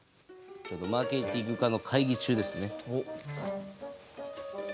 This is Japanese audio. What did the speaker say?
ちょうどマーケティング課の会議中ですね。